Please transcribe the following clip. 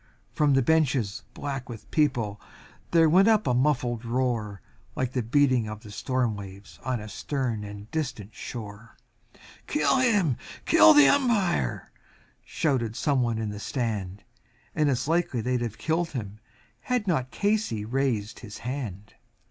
From the bleachers black with people there rose a sullen roar, Like the beating of the storm waves on a stern and distant shore, "Kill him! kill the Umpire!" shouted some one from the stand And it's likely they'd have done it had not Casey raised his hand.